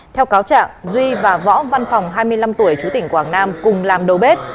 theo cáo trạng duy và võ văn phòng hai mươi năm tuổi chú tỉnh quảng nam cùng làm đầu bếp